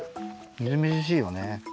みずみずしいよね。